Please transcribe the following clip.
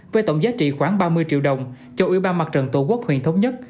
với tổng giá trị khoảng ba mươi triệu đồng cho ủy ban mặt trận tổ quốc huyện thống nhất